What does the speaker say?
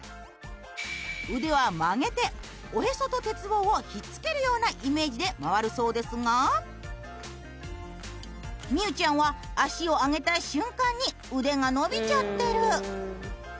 腕は曲げておへそと鉄棒をひっつけるようなイメージで回るそうですがみうちゃんは足を上げた瞬間に腕が伸びちゃってる。